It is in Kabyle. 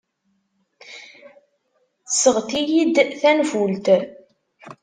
Sɣet-iyi-d tanfult.